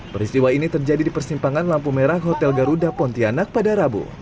peristiwa ini terjadi di persimpangan lampu merah hotel garuda pontianak pada rabu